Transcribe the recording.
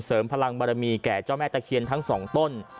พลังบารมีแก่เจ้าแม่ตะเคียนทั้งสองต้น